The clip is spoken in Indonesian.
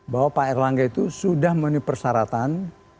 bahwa pak erlangga itu sudah memenuhi persyaratan